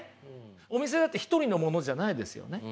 お店だって一人のものじゃないですよね。